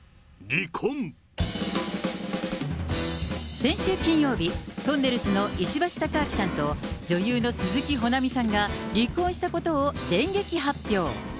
先週金曜日、とんねるずの石橋貴明さんと女優の鈴木保奈美さんが離婚したことを電撃発表。